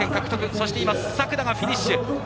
そして、作田もフィニッシュ。